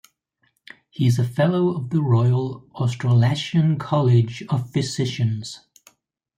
He is a Fellow of the Royal Australasian College of Physicians.